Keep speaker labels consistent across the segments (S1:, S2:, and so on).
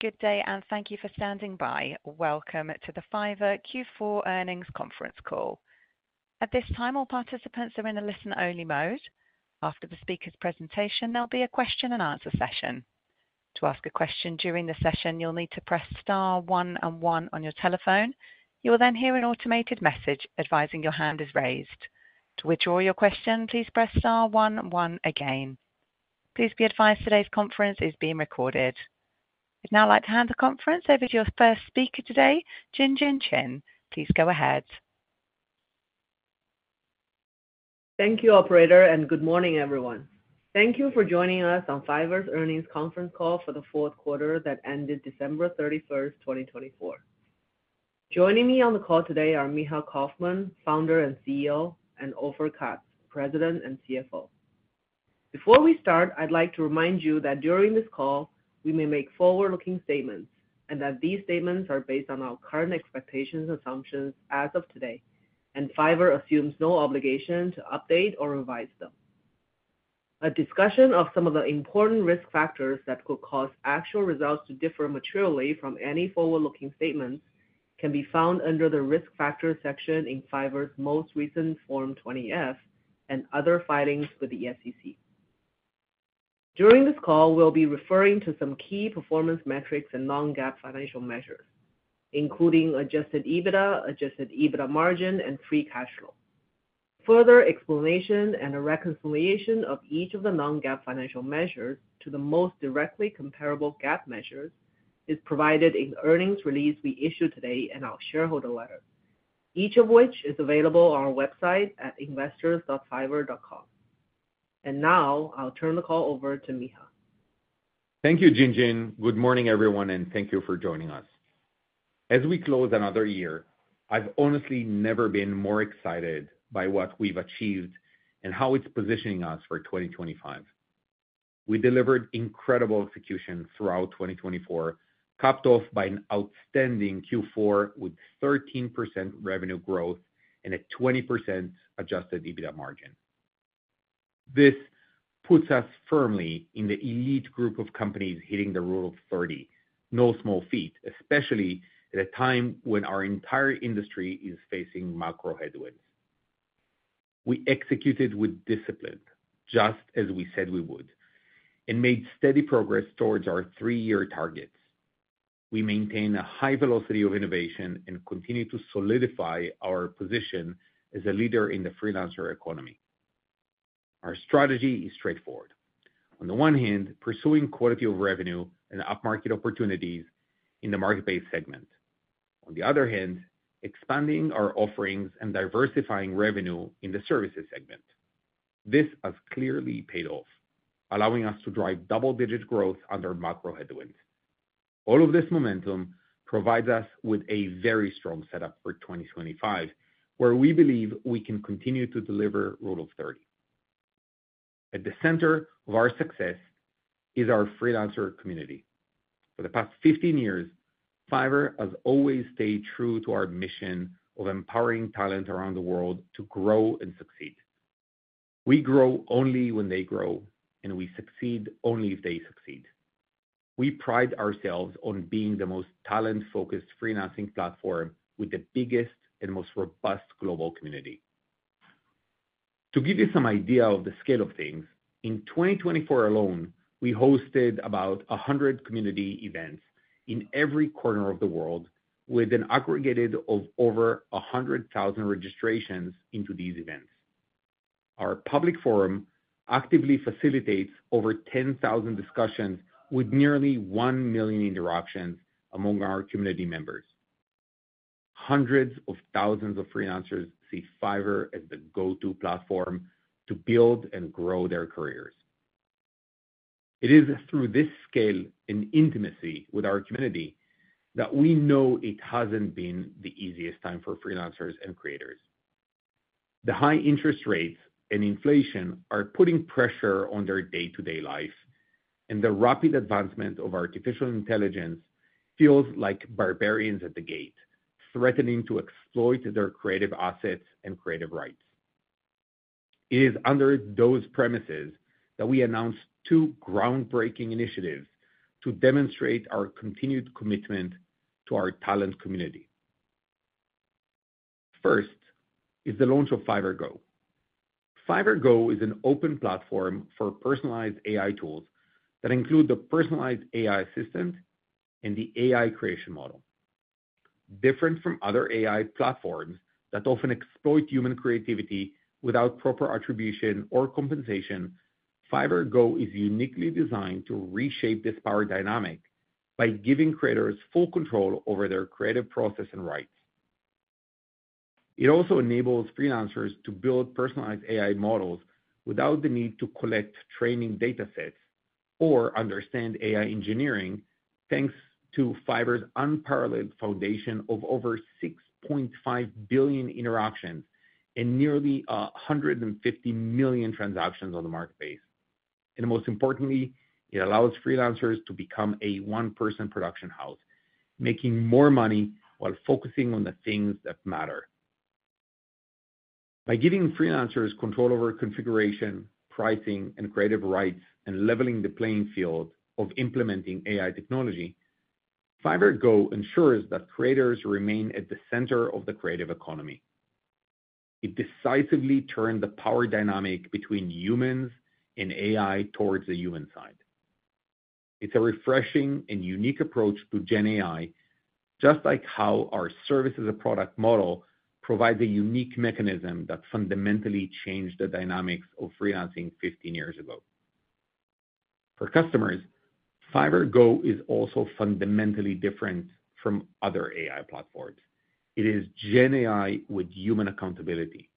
S1: Good day, and thank you for standing by. Welcome to the Fiverr Q4 earnings conference call. At this time, all participants are in a listen-only mode. After the speaker's presentation, there'll be a question-and-answer session. To ask a question during the session, you'll need to press star one and one on your telephone. You will then hear an automated message advising your hand is raised. To withdraw your question, please press star one and one again. Please be advised today's conference is being recorded. I'd now like to hand the conference over to your first speaker today, Jinjin Qian. Please go ahead.
S2: Thank you, Operator, and good morning, everyone. Thank you for joining us on Fiverr's earnings conference call for the fourth quarter that ended December 31st, 2024. Joining me on the call today are Micha Kaufman, Founder and CEO, and Ofer Katz, President and CFO. Before we start, I'd like to remind you that during this call, we may make forward-looking statements and that these statements are based on our current expectations and assumptions as of today, and Fiverr assumes no obligation to update or revise them. A discussion of some of the important risk factors that could cause actual results to differ materially from any forward-looking statements can be found under the risk factors section in Fiverr's most recent Form 20-F and other filings with the SEC. During this call, we'll be referring to some key performance metrics and non-GAAP financial measures, including adjusted EBITDA, adjusted EBITDA margin, and free cash flow. Further explanation and a reconciliation of each of the non-GAAP financial measures to the most directly comparable GAAP measures is provided in the earnings release we issued today and our shareholder letter, each of which is available on our website at investors.fiverr.com, and now I'll turn the call over to Micha.
S3: Thank you, Jinjin. Good morning, everyone, and thank you for joining us. As we close another year, I've honestly never been more excited by what we've achieved and how it's positioning us for 2025. We delivered incredible execution throughout 2024, capped off by an outstanding Q4 with 13% revenue growth and a 20% adjusted EBITDA margin. This puts us firmly in the elite group of companies hitting the Rule of 30, no small feat, especially at a time when our entire industry is facing macro headwinds. We executed with discipline, just as we said we would, and made steady progress towards our three-year targets. We maintain a high velocity of innovation and continue to solidify our position as a leader in the freelancer economy. Our strategy is straightforward. On the one hand, pursuing quality of revenue and upmarket opportunities in the marketplace segment. On the other hand, expanding our offerings and diversifying revenue in the services segment. This has clearly paid off, allowing us to drive double-digit growth under macro headwinds. All of this momentum provides us with a very strong setup for 2025, where we believe we can continue to deliver Rule of 30. At the center of our success is our freelancer community. For the past 15 years, Fiverr has always stayed true to our mission of empowering talent around the world to grow and succeed. We grow only when they grow, and we succeed only if they succeed. We pride ourselves on being the most talent-focused freelancing platform with the biggest and most robust global community. To give you some idea of the scale of things, in 2024 alone, we hosted about 100 community events in every corner of the world with an aggregate of over 100,000 registrations into these events. Our public forum actively facilitates over 10,000 discussions with nearly 1 million interactions among our community members. Hundreds of thousands of freelancers see Fiverr as the go-to platform to build and grow their careers. It is through this scale and intimacy with our community that we know it hasn't been the easiest time for freelancers and creators. The high interest rates and inflation are putting pressure on their day-to-day life, and the rapid advancement of artificial intelligence feels like barbarians at the gate, threatening to exploit their creative assets and creative rights. It is under those premises that we announced two groundbreaking initiatives to demonstrate our continued commitment to our talent community. First is the launch of Fiverr Go. Fiverr Go is an open platform for personalized AI tools that include the personalized AI assistant and the AI creation model. Different from other AI platforms that often exploit human creativity without proper attribution or compensation, Fiverr Go is uniquely designed to reshape this power dynamic by giving creators full control over their creative process and rights. It also enables freelancers to build personalized AI models without the need to collect training data sets or understand AI engineering, thanks to Fiverr's unparalleled foundation of over 6.5 billion interactions and nearly 150 million transactions on the marketplace, and most importantly, it allows freelancers to become a one-person production house, making more money while focusing on the things that matter. By giving freelancers control over configuration, pricing, and creative rights, and leveling the playing field of implementing AI technology, Fiverr Go ensures that creators remain at the center of the creative economy. It decisively turned the power dynamic between humans and AI towards the human side. It's a refreshing and unique approach to Gen AI, just like how our service-as-a-product model provides a unique mechanism that fundamentally changed the dynamics of freelancing 15 years ago. For customers, Fiverr Go is also fundamentally different from other AI platforms. It is Gen AI with human accountability.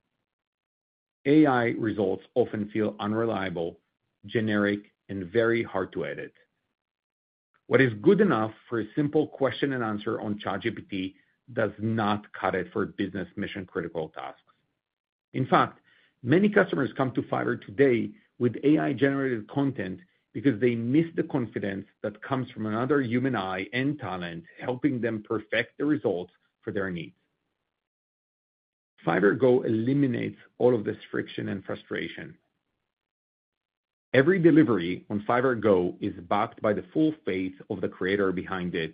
S3: AI results often feel unreliable, generic, and very hard to edit. What is good enough for a simple question and answer on ChatGPT does not cut it for business mission-critical tasks. In fact, many customers come to Fiverr today with AI-generated content because they miss the confidence that comes from another human eye and talent helping them perfect the results for their needs. Fiverr Go eliminates all of this friction and frustration. Every delivery on Fiverr Go is backed by the full faith of the creator behind it,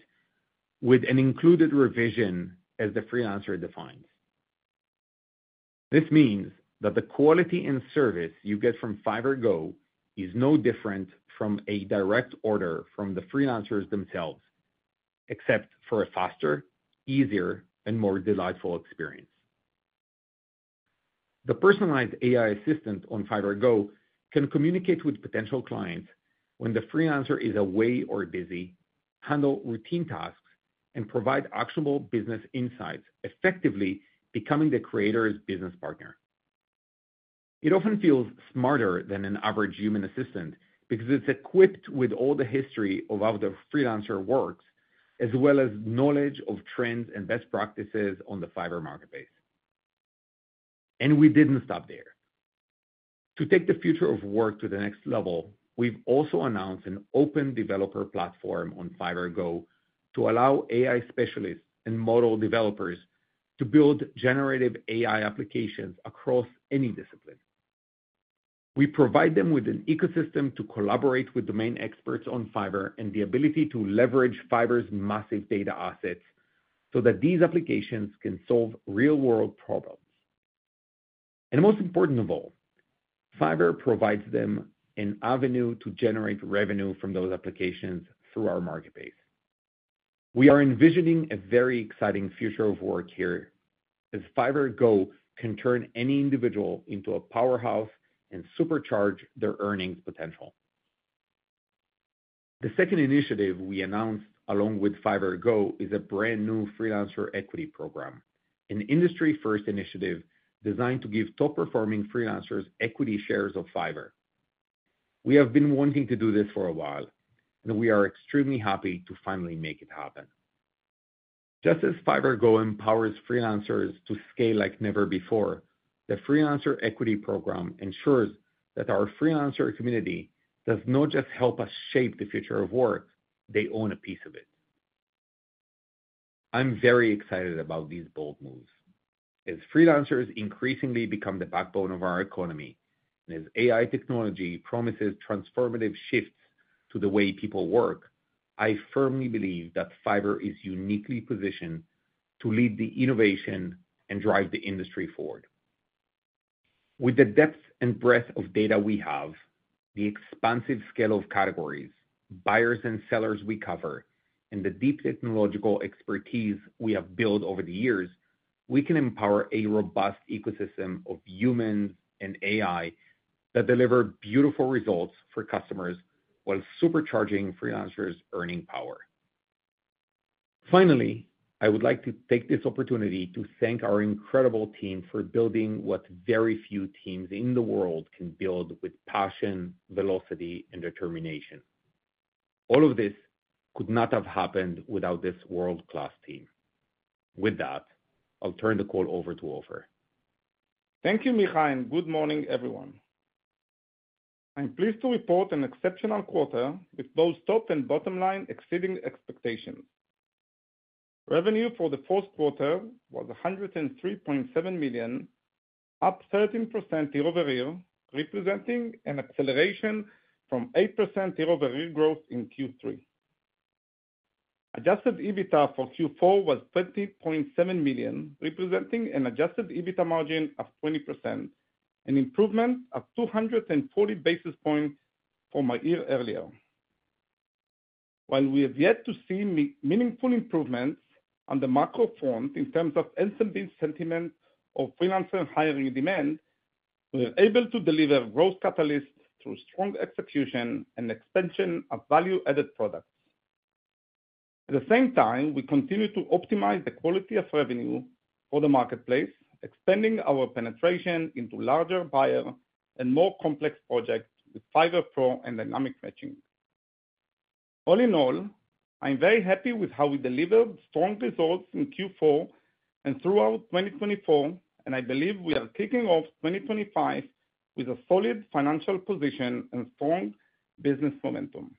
S3: with an included revision as the freelancer defines. This means that the quality and service you get from Fiverr Go is no different from a direct order from the freelancers themselves, except for a faster, easier, and more delightful experience. The personalized AI assistant on Fiverr Go can communicate with potential clients when the freelancer is away or busy, handle routine tasks, and provide actionable business insights, effectively becoming the creator's business partner. It often feels smarter than an average human assistant because it's equipped with all the history of how the freelancer works, as well as knowledge of trends and best practices on the Fiverr marketplace. And we didn't stop there. To take the future of work to the next level, we've also announced an open developer platform on Fiverr Go to allow AI specialists and model developers to build generative AI applications across any discipline. We provide them with an ecosystem to collaborate with domain experts on Fiverr and the ability to leverage Fiverr's massive data assets so that these applications can solve real-world problems. And most important of all, Fiverr provides them an avenue to generate revenue from those applications through our marketplace. We are envisioning a very exciting future of work here as Fiverr Go can turn any individual into a powerhouse and supercharge their earnings potential. The second initiative we announced along with Fiverr Go is a brand new Freelancer Equity Program, an industry-first initiative designed to give top-performing freelancers equity shares of Fiverr. We have been wanting to do this for a while, and we are extremely happy to finally make it happen. Just as Fiverr Go empowers freelancers to scale like never before, the Freelancer Equity Program ensures that our freelancer community does not just help us shape the future of work. They own a piece of it. I'm very excited about these bold moves. As freelancers increasingly become the backbone of our economy and as AI technology promises transformative shifts to the way people work, I firmly believe that Fiverr is uniquely positioned to lead the innovation and drive the industry forward. With the depth and breadth of data we have, the expansive scale of categories, buyers and sellers we cover, and the deep technological expertise we have built over the years, we can empower a robust ecosystem of humans and AI that deliver beautiful results for customers while supercharging freelancers' earning power. Finally, I would like to take this opportunity to thank our incredible team for building what very few teams in the world can build with passion, velocity, and determination. All of this could not have happened without this world-class team. With that, I'll turn the call over to Ofer.
S4: Thank you, Micha, and good morning, everyone. I'm pleased to report an exceptional quarter with both top and bottom line exceeding expectations. Revenue for the fourth quarter was $103.7 million, up 13% year over year, representing an acceleration from 8% year over year growth in Q3. Adjusted EBITDA for Q4 was $20.7 million, representing an adjusted EBITDA margin of 20%, an improvement of 240 basis points from a year earlier. While we have yet to see meaningful improvements on the macro front in terms of SMB sentiment or freelancer hiring demand, we are able to deliver growth catalysts through strong execution and expansion of value-added products. At the same time, we continue to optimize the quality of revenue for the marketplace, expanding our penetration into larger buyer and more complex projects with Fiverr Pro and dynamic matching. All in all, I'm very happy with how we delivered strong results in Q4 and throughout 2024, and I believe we are kicking off 2025 with a solid financial position and strong business momentum.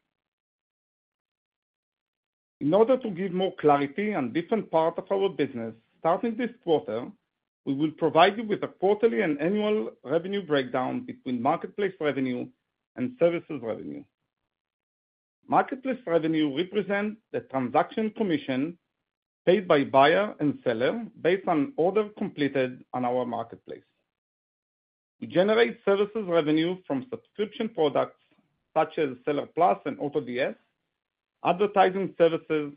S4: In order to give more clarity on different parts of our business, starting this quarter, we will provide you with a quarterly and annual revenue breakdown between marketplace revenue and services revenue. Marketplace revenue represents the transaction commission paid by buyer and seller based on orders completed on our marketplace. We generate services revenue from subscription products such as Seller Plus and AutoDS, advertising services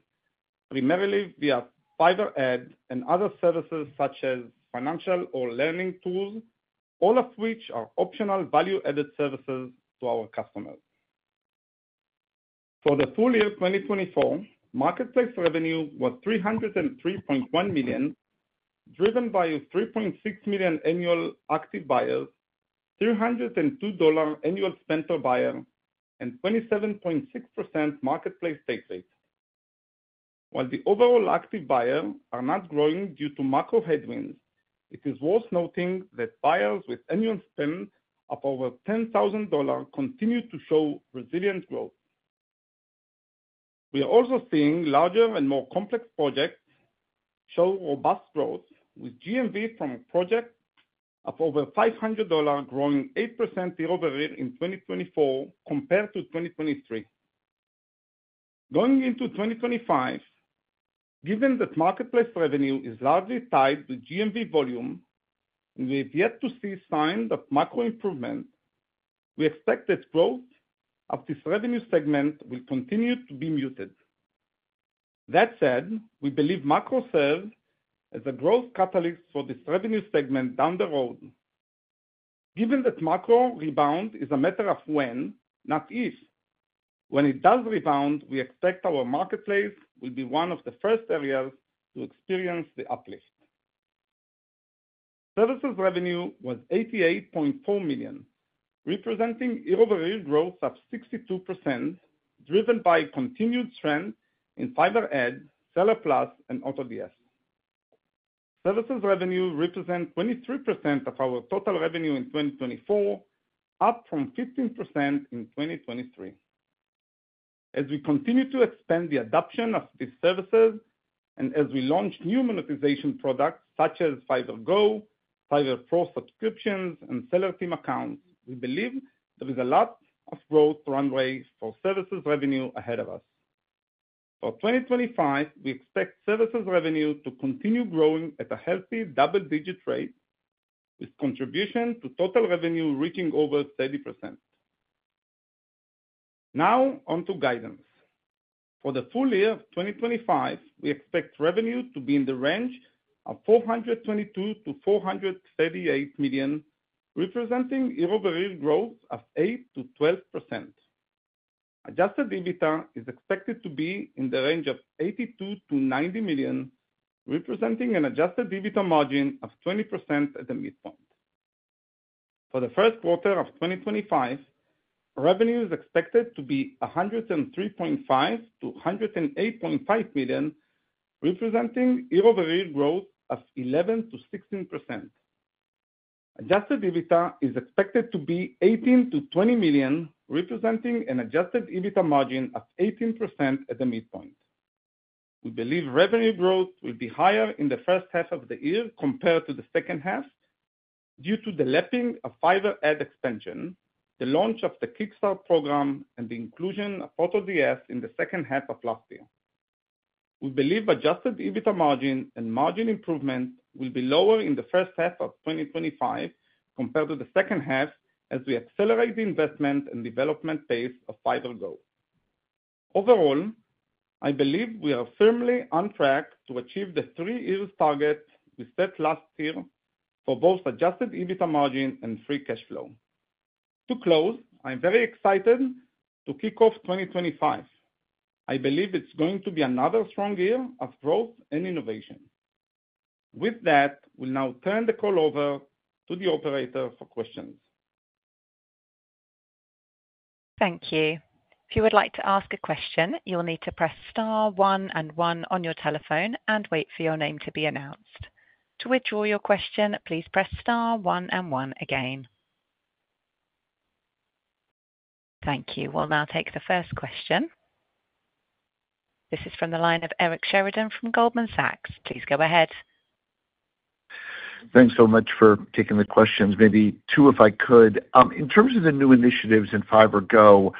S4: primarily via Fiverr Ads and other services such as financial or learning tools, all of which are optional value-added services to our customers. For the full year 2024, marketplace revenue was $303.1 million, driven by 3.6 million annual active buyers, $302 annual spend per buyer, and 27.6% marketplace take rate. While the overall active buyers are not growing due to macro headwinds, it is worth noting that buyers with annual spend of over $10,000 continue to show resilient growth. We are also seeing larger and more complex projects show robust growth, with GMV from a project of over $500 growing 8% year over year in 2024 compared to 2023. Going into 2025, given that marketplace revenue is largely tied with GMV volume, and we have yet to see signs of macro improvement, we expect that growth of this revenue segment will continue to be muted. That said, we believe macro serves as a growth catalyst for this revenue segment down the road. Given that macro rebound is a matter of when, not if, when it does rebound, we expect our marketplace will be one of the first areas to experience the uplift. Services revenue was $88.4 million, representing year over year growth of 62%, driven by continued strength in Fiverr Ads, Seller Plus, and AutoDS. Services revenue represents 23% of our total revenue in 2024, up from 15% in 2023. As we continue to expand the adoption of these services and as we launch new monetization products such as Fiverr Go, Fiverr Pro subscriptions, and Seller Team Accounts, we believe there is a lot of growth runway for services revenue ahead of us. For 2025, we expect services revenue to continue growing at a healthy double-digit rate, with contribution to total revenue reaching over 30%. Now, on to guidance. For the full year of 2025, we expect revenue to be in the range of $422 million-$438 million, representing year over year growth of 8%-12%. Adjusted EBITDA is expected to be in the range of $82 million-$90 million, representing an adjusted EBITDA margin of 20% at the midpoint. For the first quarter of 2025, revenue is expected to be $103.5 million-$108.5 million, representing year over year growth of 11% to 16%. Adjusted EBITDA is expected to be $18 million-$20 million, representing an adjusted EBITDA margin of 18% at the midpoint. We believe revenue growth will be higher in the first half of the year compared to the second half due to the lapping of Fiverr Ads expansion, the launch of the Kickstart program, and the inclusion of AutoDS in the second half of last year. We believe adjusted EBITDA margin and margin improvement will be lower in the first half of 2025 compared to the second half as we accelerate the investment and development pace of Fiverr Go. Overall, I believe we are firmly on track to achieve the three-year target we set last year for both adjusted EBITDA margin and free cash flow. To close, I'm very excited to kick off 2025. I believe it's going to be another strong year of growth and innovation. With that, we'll now turn the call over to the operator for questions.
S1: Thank you. If you would like to ask a question, you'll need to press star one and one on your telephone and wait for your name to be announced. To withdraw your question, please press star one and one again. Thank you. We'll now take the first question. This is from the line of Eric Sheridan from Goldman Sachs. Please go ahead.
S5: Thanks so much for taking the questions. Maybe two, if I could. In terms of the new initiatives in Fiverr Go,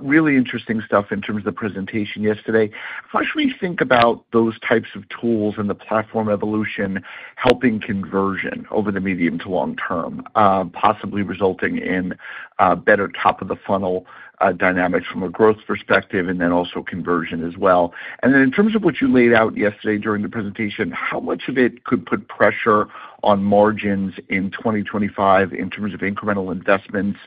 S5: really interesting stuff in terms of the presentation yesterday. How should we think about those types of tools and the platform evolution helping conversion over the medium to long term, possibly resulting in better top-of-the-funnel dynamics from a growth perspective and then also conversion as well? And then in terms of what you laid out yesterday during the presentation, how much of it could put pressure on margins in 2025 in terms of incremental investments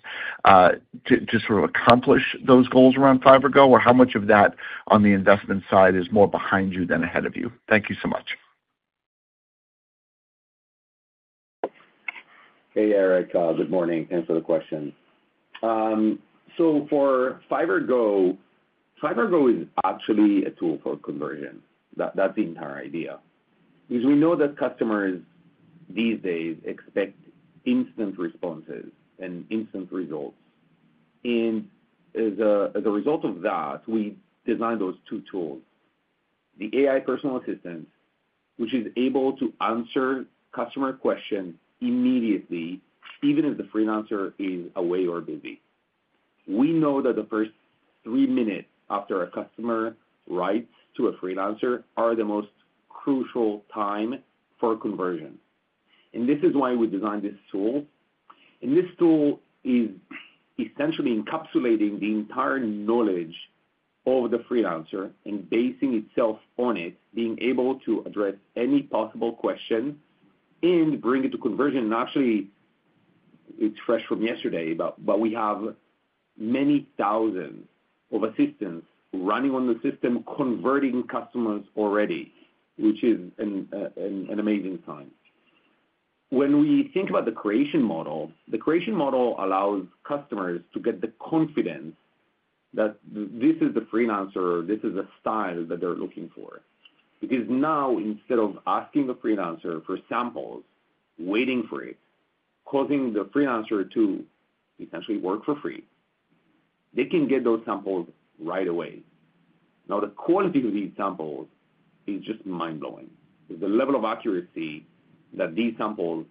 S5: to sort of accomplish those goals around Fiverr Go? Or how much of that on the investment side is more behind you than ahead of you? Thank you so much.
S3: Hey, Eric. Good morning. Thanks for the question, so for Fiverr Go, Fiverr Go is actually a tool for conversion. That's the entire idea. Because we know that customers these days expect instant responses and instant results, and as a result of that, we designed those two tools: the AI personal assistant, which is able to answer customer questions immediately, even if the freelancer is away or busy. We know that the first three minutes after a customer writes to a freelancer are the most crucial time for conversion, and this is why we designed this tool, and this tool is essentially encapsulating the entire knowledge of the freelancer and basing itself on it, being able to address any possible question and bring it to conversion. Actually, it's fresh from yesterday, but we have many thousands of assistants running on the system, converting customers already, which is an amazing sign. When we think about the creation model, the creation model allows customers to get the confidence that this is the freelancer, this is the style that they're looking for. Because now, instead of asking the freelancer for samples, waiting for it, causing the freelancer to essentially work for free, they can get those samples right away. Now, the quality of these samples is just mind-blowing. The level of accuracy that these samples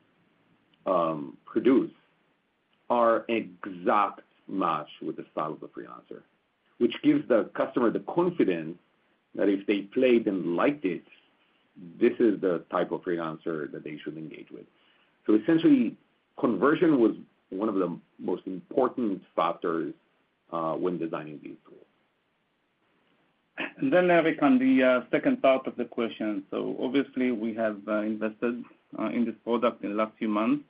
S3: produce is an exact match with the style of the freelancer, which gives the customer the confidence that if they played and liked it, this is the type of freelancer that they should engage with. Essentially, conversion was one of the most important factors when designing these tools.
S4: And then, Eric, on the second part of the question. So obviously, we have invested in this product in the last few months,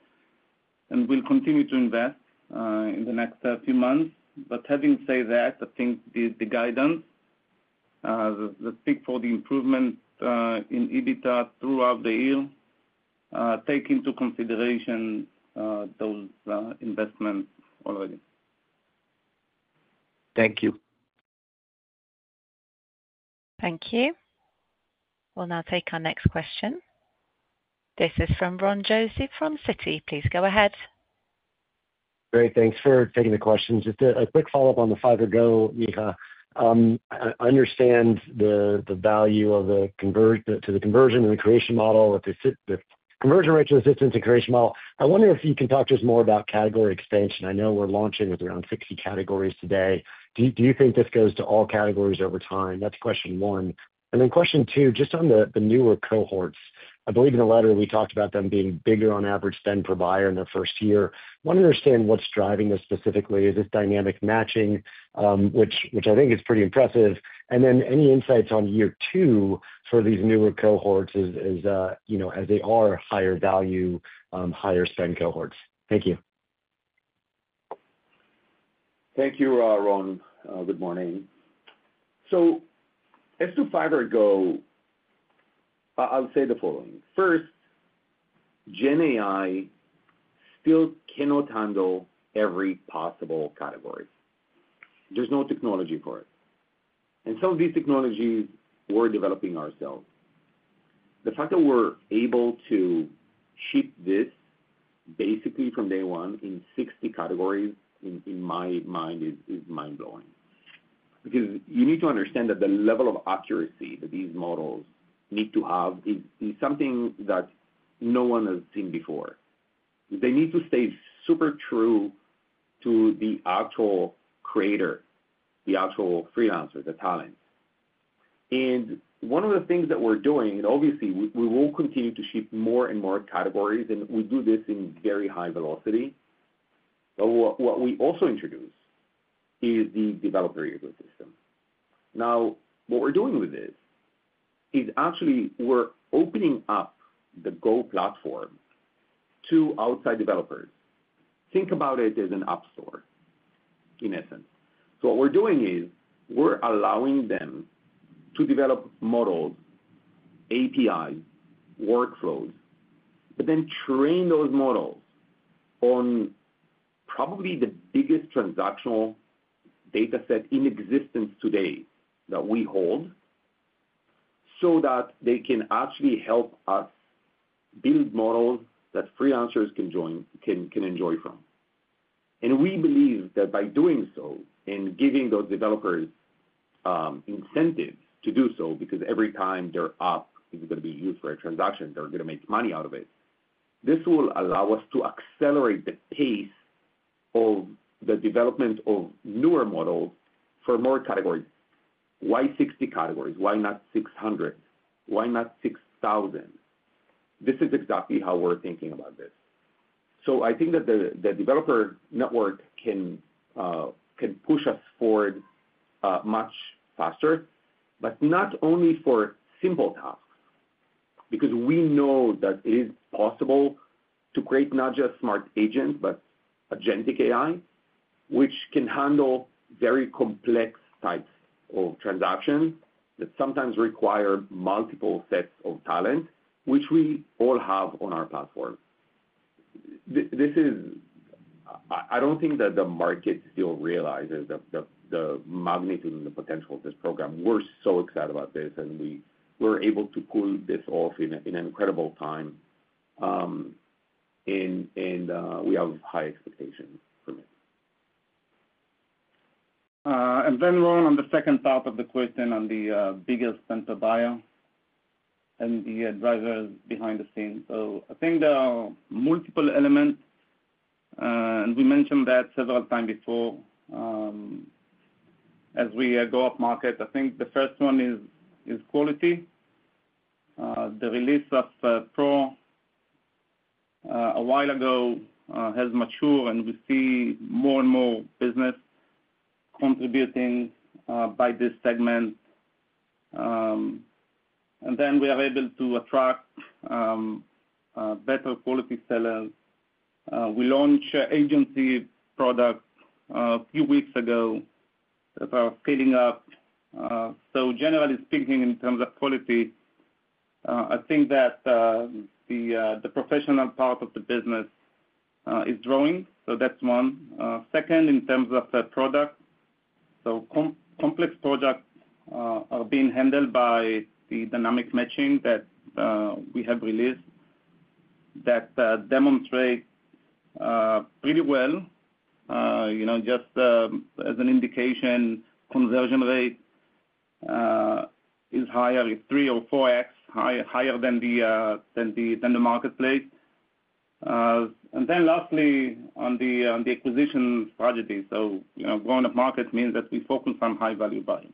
S4: and we'll continue to invest in the next few months. But having said that, I think the guidance, the pick for the improvement in EBITDA throughout the year, takes into consideration those investments already.
S5: Thank you.
S1: Thank you. We'll now take our next question. This is from Ron Josey from Citi. Please go ahead.
S6: Great. Thanks for taking the question. Just a quick follow-up on the Fiverr Go, Micha. I understand the value of the conversion and the creation model, the conversion rate to the assistance and creation model. I wonder if you can talk to us more about category expansion. I know we're launching with around 60 categories today. Do you think this goes to all categories over time? That's question one. And then question two, just on the newer cohorts, I believe in the letter we talked about them being bigger on average spend per buyer in their first year. I want to understand what's driving this specifically. Is this dynamic matching, which I think is pretty impressive? And then any insights on year two for these newer cohorts as they are higher value, higher spend cohorts? Thank you.
S3: Thank you, Ron. Good morning. So as to Fiverr Go, I'll say the following. First, GenAI still cannot handle every possible category. There's no technology for it. And some of these technologies we're developing ourselves. The fact that we're able to ship this basically from day one in 60 categories, in my mind, is mind-blowing. Because you need to understand that the level of accuracy that these models need to have is something that no one has seen before. They need to stay super true to the actual creator, the actual freelancer, the talent. And one of the things that we're doing, and obviously, we will continue to ship more and more categories, and we do this in very high velocity. But what we also introduce is the developer ecosystem. Now, what we're doing with this is actually we're opening up the Go platform to outside developers. Think about it as an app store, in essence. So what we're doing is we're allowing them to develop models, APIs, workflows, but then train those models on probably the biggest transactional data set in existence today that we hold so that they can actually help us build models that freelancers can enjoy from. And we believe that by doing so and giving those developers incentives to do so, because every time their app is going to be used for a transaction, they're going to make money out of it, this will allow us to accelerate the pace of the development of newer models for more categories. Why 60 categories? Why not 600? Why not 6,000? This is exactly how we're thinking about this. So I think that the developer network can push us forward much faster, but not only for simple tasks. Because we know that it is possible to create not just smart agents, but agentic AI, which can handle very complex types of transactions that sometimes require multiple sets of talent, which we all have on our platform. I don't think that the market still realizes the magnitude and the potential of this program. We're so excited about this, and we were able to pull this off in an incredible time, and we have high expectations from it.
S4: Then, Ron, on the second part of the question on the biggest spend per buyer and the drivers behind the scenes. I think there are multiple elements. We mentioned that several times before as we go up market. I think the first one is quality. The release of Pro a while ago has matured, and we see more and more business contributing by this segment. Then we are able to attract better quality sellers. We launched agency products a few weeks ago that are scaling up. Generally speaking, in terms of quality, I think that the professional part of the business is growing. That's one. Second, in terms of product, so complex products are being handled by the dynamic matching that we have released that demonstrates pretty well. Just as an indication, conversion rate is higher, three or four X higher than the marketplace. And then lastly, on the acquisition strategy, so going up market means that we focus on high-value buyers.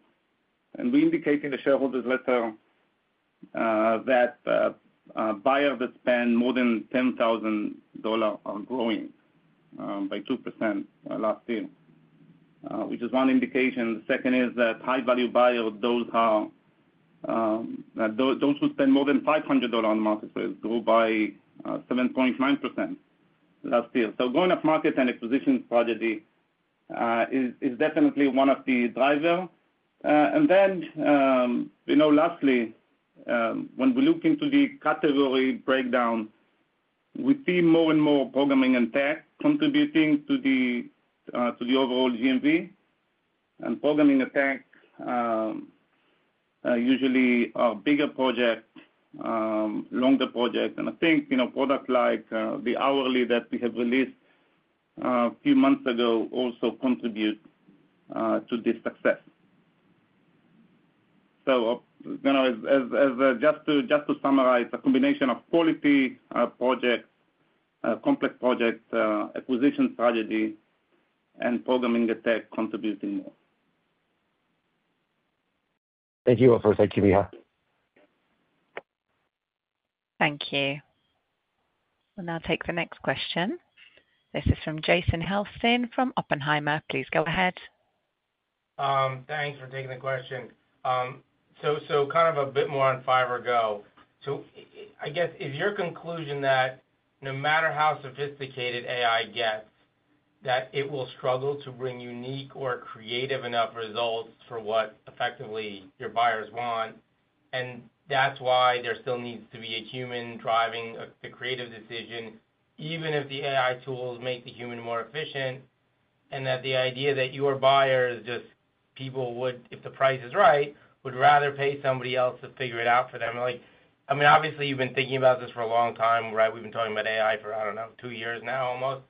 S4: And we indicate in the shareholders' letter that buyers that spend more than $10,000 are growing by two% last year, which is one indication. The second is that high-value buyers, those who spend more than $500 on marketplace, grew by 7.9% last year. So going up market and acquisition strategy is definitely one of the drivers. And then lastly, when we look into the category breakdown, we see more and more programming and tech contributing to the overall GMV. And programming and tech usually are bigger projects, longer projects. And I think products like the hourly that we have released a few months ago also contribute to this success. So just to summarize, a combination of quality projects, complex projects, acquisition strategy, and programming and tech contributing more.
S6: Thank you all for your time, Micha.
S1: Thank you. We'll now take the next question. This is from Jason Helfstein from Oppenheimer. Please go ahead.
S7: Thanks for taking the question. So kind of a bit more on Fiverr Go. So I guess is your conclusion that no matter how sophisticated AI gets, that it will struggle to bring unique or creative enough results for what effectively your buyers want? And that's why there still needs to be a human driving the creative decision, even if the AI tools make the human more efficient, and that the idea that your buyers just, if the price is right, would rather pay somebody else to figure it out for them. I mean, obviously, you've been thinking about this for a long time, right? We've been talking about AI for, I don't know, two years now almost.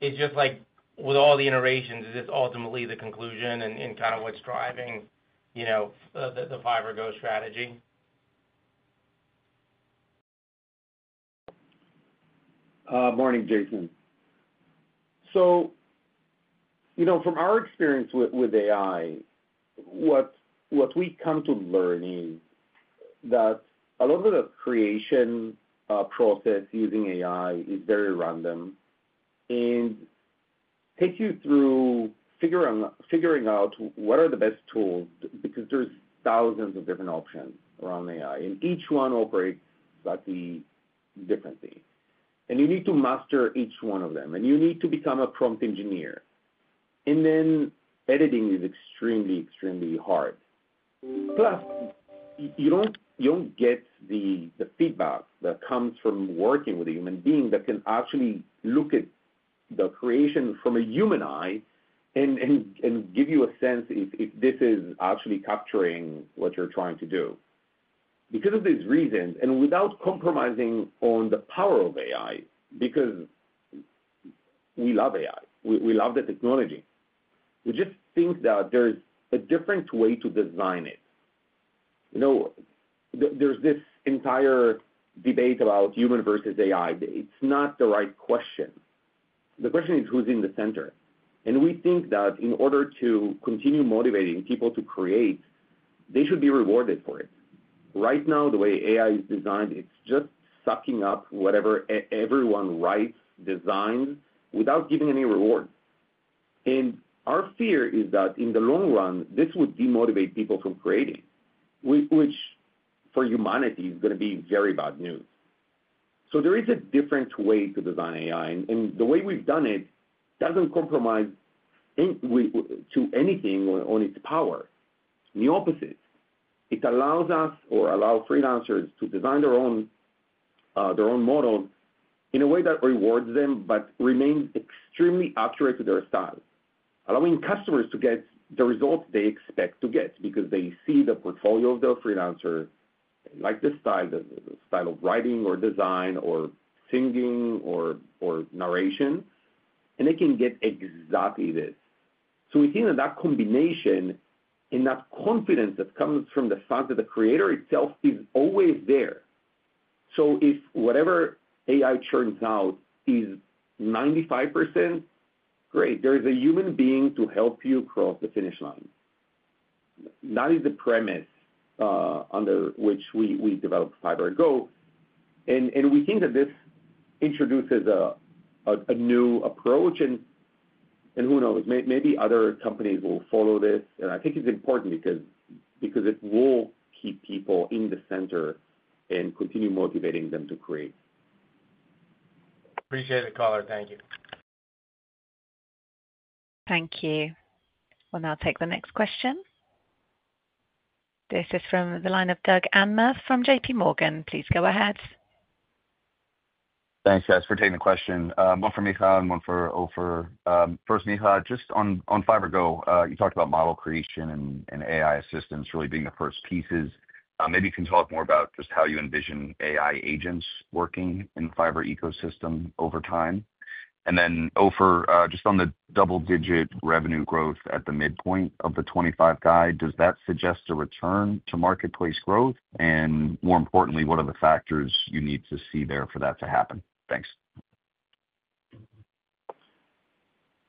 S7: It's just like with all the iterations, is this ultimately the conclusion and kind of what's driving the Fiverr Go strategy?
S3: Morning, Jason, so from our experience with AI, what we've come to learn is that a lot of the creation process using AI is very random, and take you through figuring out what are the best tools, because there's thousands of different options around AI, and each one operates slightly differently, and you need to master each one of them, and you need to become a prompt engineer, and then editing is extremely, extremely hard, plus you don't get the feedback that comes from working with a human being that can actually look at the creation from a human eye and give you a sense if this is actually capturing what you're trying to do. Because of these reasons, and without compromising on the power of AI, because we love AI, we love the technology, we just think that there's a different way to design it. There's this entire debate about human versus AI. It's not the right question. The question is who's in the center, and we think that in order to continue motivating people to create, they should be rewarded for it. Right now, the way AI is designed, it's just sucking up whatever everyone writes, designs, without giving any reward, and our fear is that in the long run, this would demotivate people from creating, which for humanity is going to be very bad news, so there is a different way to design AI, and the way we've done it doesn't compromise to anything on its power. The opposite. It allows us or allows freelancers to design their own model in a way that rewards them but remains extremely accurate to their style, allowing customers to get the results they expect to get because they see the portfolio of their freelancer, like the style of writing or design or singing or narration, and they can get exactly this, so we think that that combination and that confidence that comes from the fact that the creator itself is always there, so if whatever AI churns out is 95%, great. There is a human being to help you cross the finish line. That is the premise under which we developed Fiverr Go, and we think that this introduces a new approach, and who knows? Maybe other companies will follow this, and I think it's important because it will keep people in the center and continue motivating them to create.
S7: Appreciate it, Caller. Thank you.
S1: Thank you. We'll now take the next question. This is from the line of Doug Anmuth from JPMorgan. Please go ahead.
S8: Thanks, guys, for taking the question. One for Micha and one for Ofer. First, Micha, just on Fiverr Go, you talked about model creation and AI assistance really being the first pieces. Maybe you can talk more about just how you envision AI agents working in the Fiverr ecosystem over time. And then Ofer, just on the double-digit revenue growth at the midpoint of the 25 guide, does that suggest a return to marketplace growth? And more importantly, what are the factors you need to see there for that to happen? Thanks.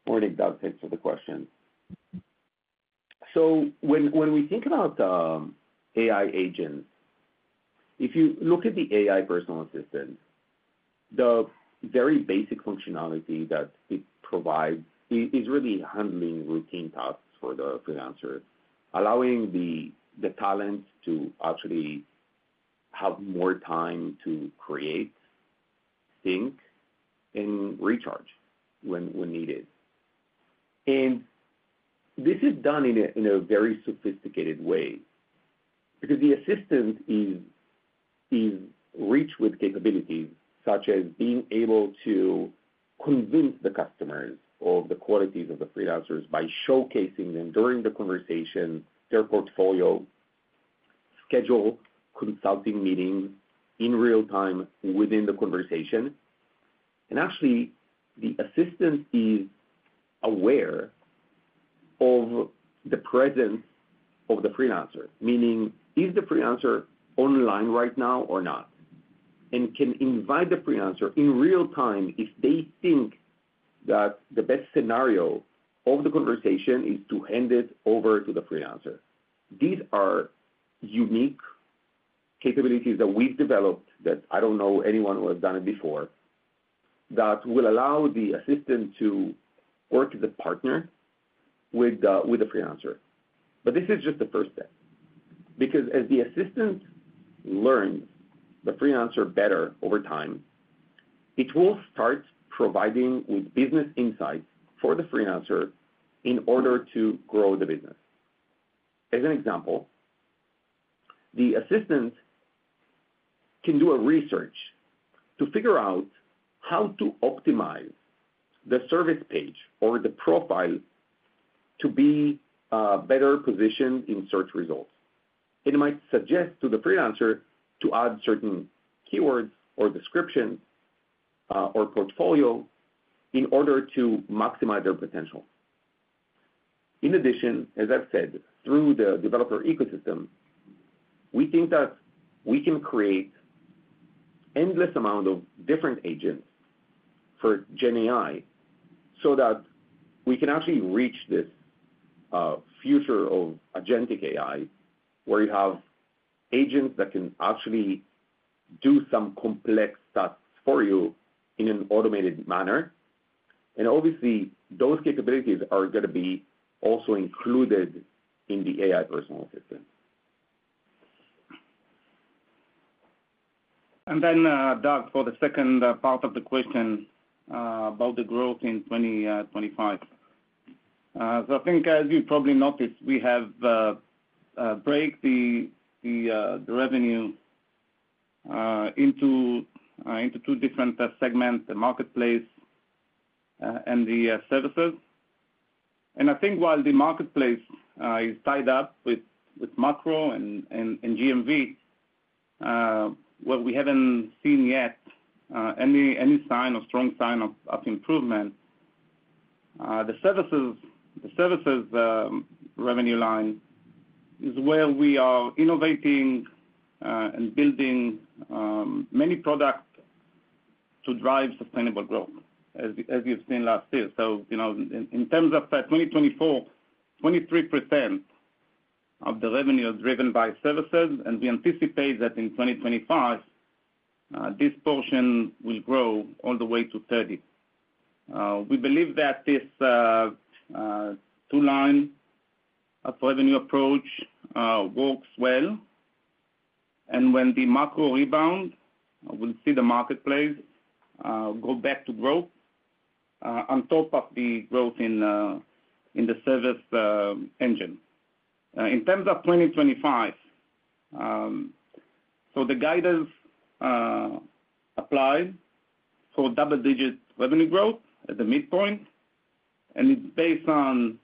S3: Morning, Doug. Thanks for the question, so when we think about AI agents, if you look at the AI personal assistant, the very basic functionality that it provides is really handling routine tasks for the freelancers, allowing the talent to actually have more time to create, think, and recharge when needed, and this is done in a very sophisticated way because the assistant is rich with capabilities such as being able to convince the customers of the qualities of the freelancers by showcasing them during the conversation, their portfolio, schedule consulting meetings in real time within the conversation, and actually, the assistant is aware of the presence of the freelancer, meaning, is the freelancer online right now or not, and can invite the freelancer in real time if they think that the best scenario of the conversation is to hand it over to the freelancer. These are unique capabilities that we've developed that I don't know anyone who has done it before that will allow the assistant to work as a partner with the freelancer. But this is just the first step. Because as the assistant learns the freelancer better over time, it will start providing with business insights for the freelancer in order to grow the business. As an example, the assistant can do research to figure out how to optimize the service page or the profile to be better positioned in search results. It might suggest to the freelancer to add certain keywords or descriptions or portfolio in order to maximize their potential. In addition, as I've said, through the developer ecosystem, we think that we can create an endless amount of different agents for GenAI so that we can actually reach this future of agentic AI where you have agents that can actually do some complex tasks for you in an automated manner, and obviously, those capabilities are going to be also included in the AI personal assistant.
S4: And then, Doug, for the second part of the question about the growth in 2025. So I think, as you probably noticed, we have broken the revenue into two different segments, the marketplace and the services. And I think while the marketplace is tied up with macro and GMV, where we haven't seen yet any sign or strong sign of improvement, the services revenue line is where we are innovating and building many products to drive sustainable growth, as you've seen last year. So in terms of 2024, 23% of the revenue is driven by services. And we anticipate that in 2025, this portion will grow all the way to 30%. We believe that this two-line revenue approach works well. And when the macro rebound, we'll see the marketplace go back to growth on top of the growth in the service engine. In terms of 2025, so the guidance applies for double-digit revenue growth at the midpoint. And it's based on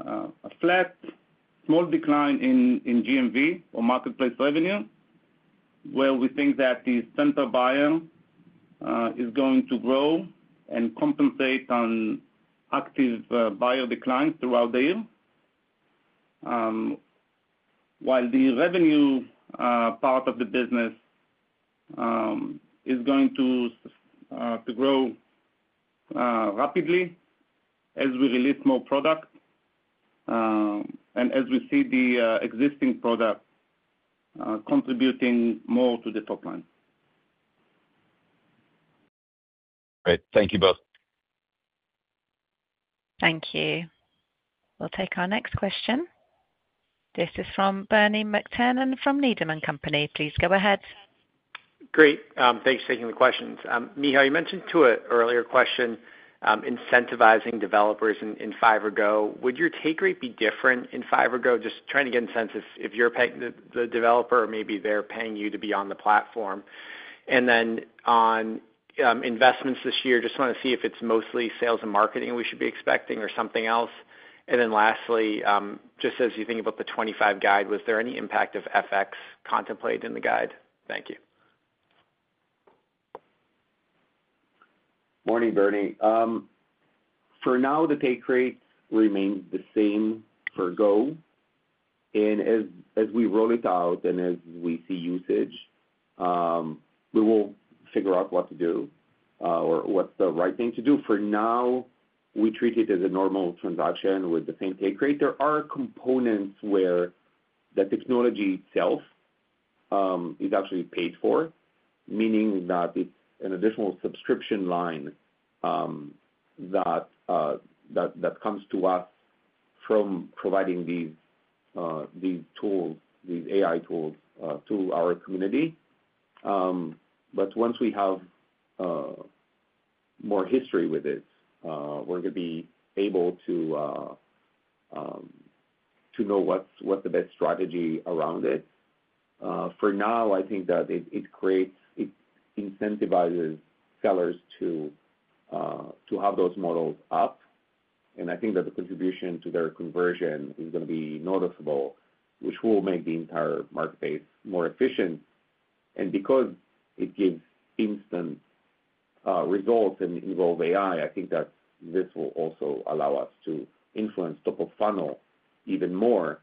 S4: a flat, small decline in GMV or marketplace revenue, where we think that the central buyer is going to grow and compensate on active buyer declines throughout the year. While the revenue part of the business is going to grow rapidly as we release more product and as we see the existing product contributing more to the top line.
S8: Great. Thank you both.
S1: Thank you. We'll take our next question. This is from Bernie McTernan from Needham & Company. Please go ahead.
S9: Great. Thanks for taking the questions. Micha, you mentioned to an earlier question incentivizing developers in Fiverr Go. Would your take rate be different in Fiverr Go? Just trying to get a sense if you're paying the developer or maybe they're paying you to be on the platform. And then on investments this year, just want to see if it's mostly sales and marketing we should be expecting or something else. And then lastly, just as you think about the 25 guide, was there any impact of FX contemplated in the guide? Thank you.
S3: Morning, Bernie. For now, the take rate remains the same for Go. And as we roll it out and as we see usage, we will figure out what to do or what's the right thing to do. For now, we treat it as a normal transaction with the same take rate. There are components where the technology itself is actually paid for, meaning that it's an additional subscription line that comes to us from providing these tools, these AI tools to our community. But once we have more history with it, we're going to be able to know what's the best strategy around it. For now, I think that it incentivizes sellers to have those models up. And I think that the contribution to their conversion is going to be noticeable, which will make the entire marketplace more efficient. Because it gives instant results and involves AI, I think that this will also allow us to influence top-of-funnel even more,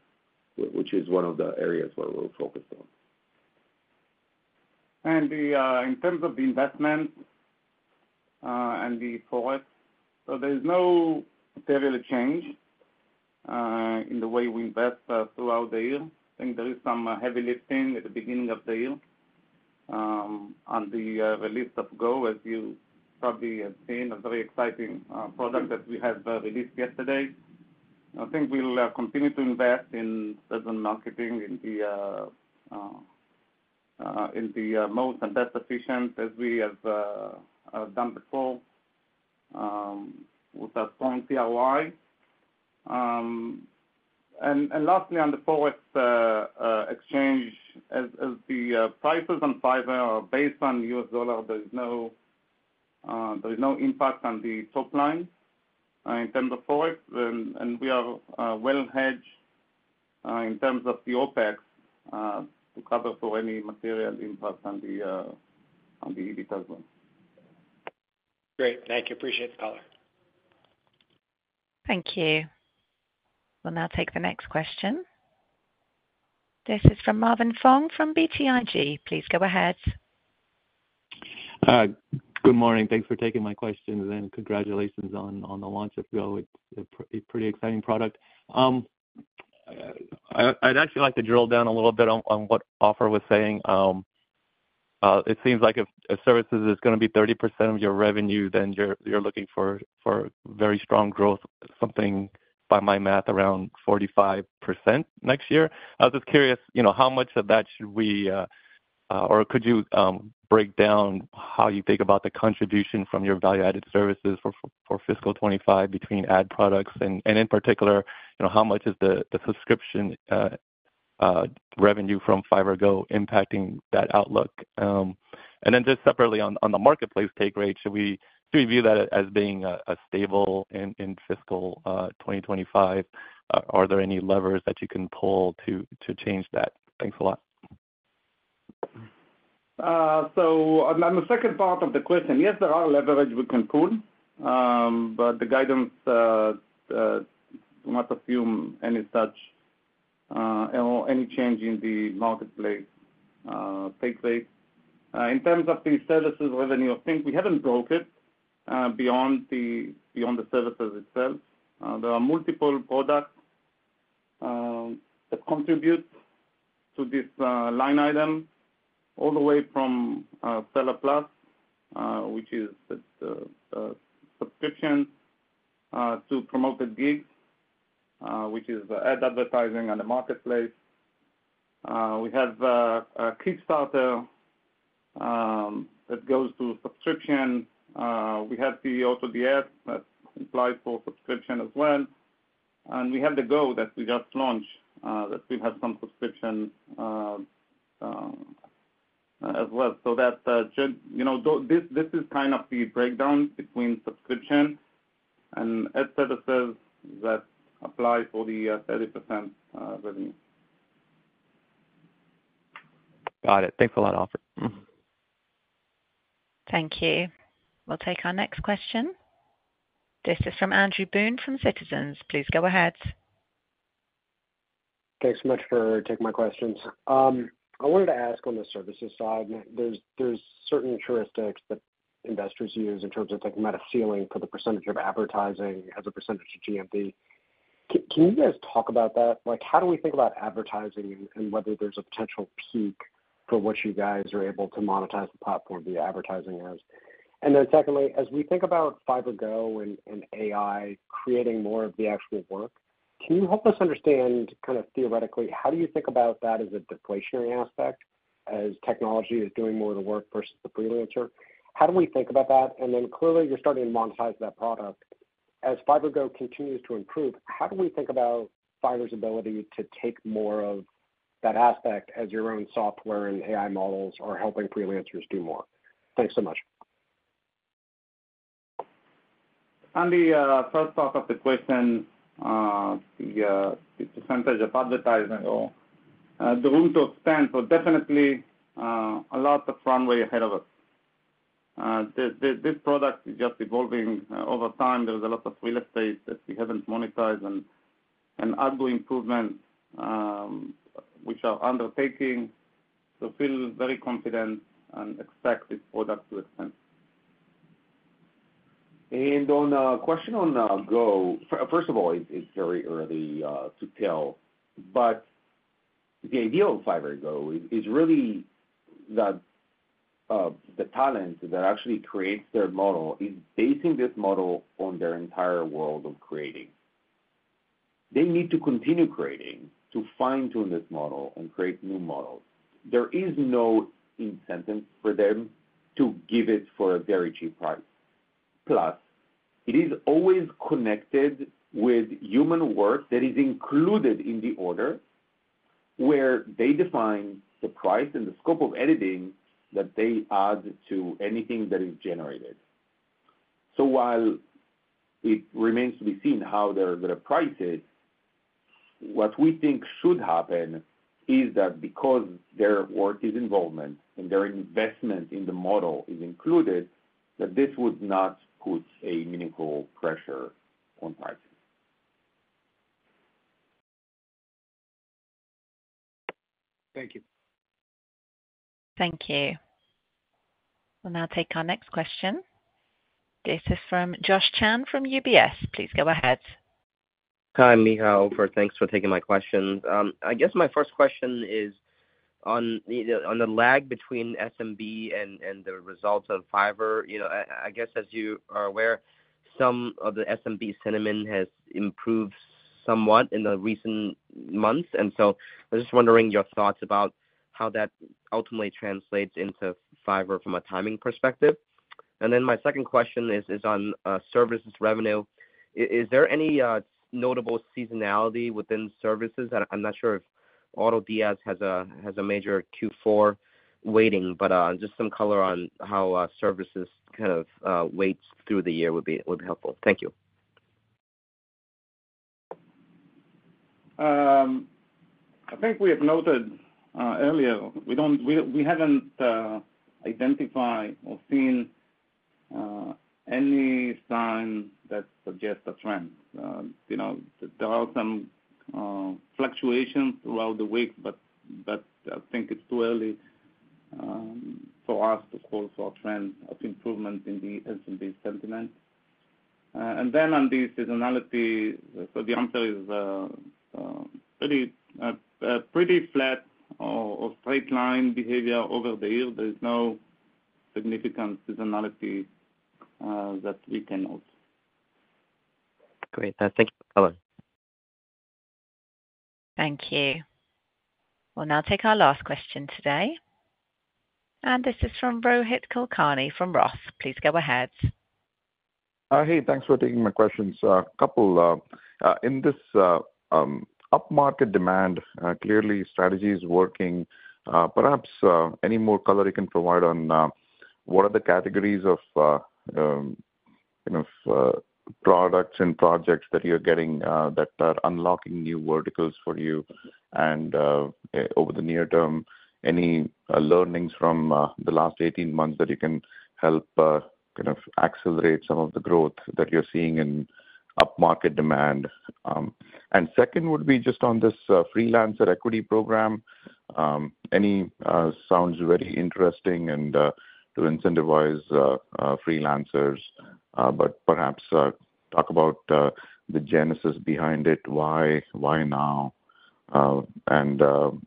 S3: which is one of the areas where we're focused on.
S4: In terms of the investment and the forex, there is no material change in the way we invest throughout the year. I think there is some heavy lifting at the beginning of the year on the release of Go, as you probably have seen, a very exciting product that we have released yesterday. I think we'll continue to invest in certain marketing in the most and best efficient as we have done before with our current ROI. Lastly, on the forex exchange, as the prices on Fiverr are based on U.S. dollar, there is no impact on the top line in terms of forex. We are well hedged in terms of the OpEx to cover for any material impact on the EBIT as well.
S9: Great. Thank you. Appreciate the caller.
S1: Thank you. We'll now take the next question. This is from Marvin Fong from BTIG. Please go ahead.
S10: Good morning. Thanks for taking my question. And congratulations on the launch of Go. It's a pretty exciting product. I'd actually like to drill down a little bit on what Ofer was saying. It seems like if services is going to be 30% of your revenue, then you're looking for very strong growth, something by my math around 45% next year. I was just curious how much of that should we or could you break down how you think about the contribution from your value-added services for fiscal 2025 between ad products? And in particular, how much is the subscription revenue from Fiverr Go impacting that outlook? And then just separately on the marketplace take rate, should we view that as being stable in fiscal 2025? Are there any levers that you can pull to change that? Thanks a lot.
S4: So on the second part of the question, yes, there are levers we can pull. But the guidance does not assume any such or any change in the marketplace take rate. In terms of the services revenue, I think we haven't broken beyond the services itself. There are multiple products that contribute to this line item all the way from Seller Plus, which is a subscription, to Promoted Gigs, which is ad advertising on the marketplace. We have Kickstart that goes to subscription. We have the AutoDS that applies for subscription as well. And we have the Go that we just launched that will have some subscription as well. So this is kind of the breakdown between subscription and ad services that apply for the 30% revenue.
S10: Got it. Thanks a lot, Ofer.
S1: Thank you. We'll take our next question. This is from Andrew Boone from Citizens. Please go ahead.
S11: Thanks so much for taking my questions. I wanted to ask on the services side, there's certain heuristics that investors use in terms of thinking about a ceiling for the percentage of advertising as a percentage of GMV. Can you guys talk about that? How do we think about advertising and whether there's a potential peak for what you guys are able to monetize the platform via advertising as? And then secondly, as we think about Fiverr Go and AI creating more of the actual work, can you help us understand kind of theoretically how do you think about that as a deflationary aspect as technology is doing more of the work versus the freelancer? How do we think about that? And then clearly, you're starting to monetize that product. As Fiverr Go continues to improve, how do we think about Fiverr's ability to take more of that aspect as your own software and AI models are helping freelancers do more? Thanks so much.
S4: On the first part of the question, the percentage of advertising or the room to expand, so definitely a lot of runway ahead of us. This product is just evolving over time. There's a lot of real estate that we haven't monetized and other improvements which are undertaking. So feel very confident and expect this product to expand.
S3: On a question on Fiverr Go, first of all, it's very early to tell. The idea of Fiverr Go is really that the talent that actually creates their model is basing this model on their entire world of creating. They need to continue creating to fine-tune this model and create new models. There is no incentive for them to give it for a very cheap price. Plus, it is always connected with human work that is included in the order where they define the price and the scope of editing that they add to anything that is generated. While it remains to be seen how they're going to price it, what we think should happen is that because their work is involvement and their investment in the model is included, that this would not put a meaningful pressure on pricing.
S11: Thank you.
S1: Thank you. We'll now take our next question. This is from Josh Chan from UBS. Please go ahead.
S12: Hi, Micha. Thanks for taking my questions. I guess my first question is on the lag between SMB and the results of Fiverr. I guess, as you are aware, some of the SMB sentiment has improved somewhat in the recent months. And so I was just wondering your thoughts about how that ultimately translates into Fiverr from a timing perspective. And then my second question is on services revenue. Is there any notable seasonality within services? I'm not sure if AutoDS has a major Q4 weighting, but just some color on how services kind of weigh through the year would be helpful. Thank you.
S4: I think we have noted earlier, we haven't identified or seen any sign that suggests a trend. There are some fluctuations throughout the week, but I think it's too early for us to call for a trend of improvement in the SMB sentiment. And then on the seasonality, so the answer is pretty flat or straight-line behavior over the year. There is no significant seasonality that we can note.
S12: Great. Thank you. Bye-bye.
S1: Thank you. We'll now take our last question today. And this is from Rohit Kulkarni from Roth. Please go ahead.
S13: Hey, thanks for taking my questions. A couple in this upmarket demand, clearly strategy is working. Perhaps any more color you can provide on what are the categories of products and projects that you're getting that are unlocking new verticals for you over the near term? Any learnings from the last 18 months that you can help kind of accelerate some of the growth that you're seeing in upmarket demand? And second would be just on this freelancer equity program. It sounds very interesting to incentivize freelancers, but perhaps talk about the genesis behind it. Why now? And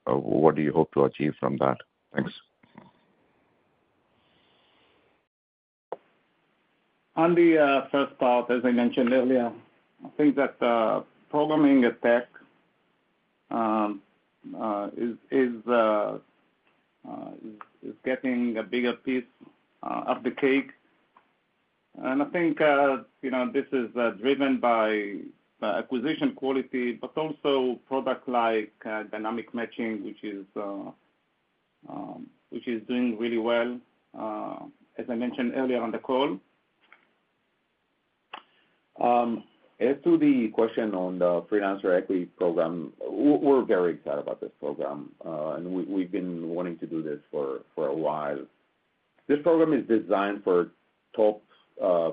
S13: what do you hope to achieve from that? Thanks.
S4: On the first part, as I mentioned earlier, I think that take rate is getting a bigger piece of the cake, and I think this is driven by acquisition quality, but also product-like dynamic matching, which is doing really well, as I mentioned earlier on the call.
S3: As to the question on the freelancer equity program, we're very excited about this program, and we've been wanting to do this for a while. This program is designed for top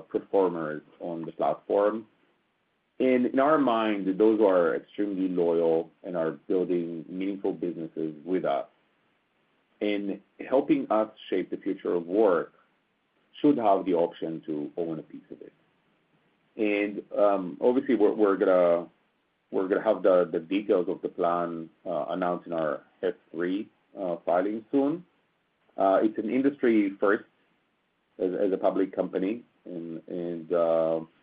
S3: performers on the platform, and in our mind, those who are extremely loyal and are building meaningful businesses with us and helping us shape the future of work should have the option to own a piece of it, and obviously, we're going to have the details of the plan announced in our 20-F filing soon. It's an industry-first as a public company, and we're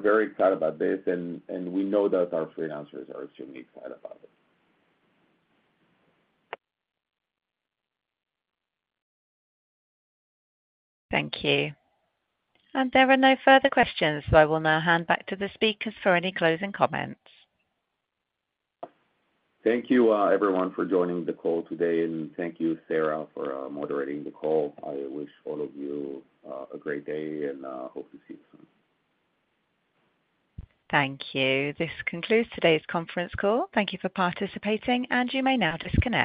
S3: very excited about this, and we know that our freelancers are extremely excited about it.
S1: Thank you. And there are no further questions. So I will now hand back to the speakers for any closing comments.
S3: Thank you, everyone, for joining the call today, and thank you, Sarah, for moderating the call. I wish all of you a great day and hope to see you soon.
S1: Thank you. This concludes today's conference call. Thank you for participating. And you may now disconnect.